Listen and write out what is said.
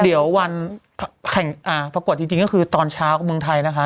เดี๋ยววันแห่งปรากฏจริงก็คือตอนเช้าเมืองไทยนะคะ